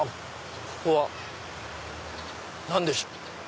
ここは何でしょう？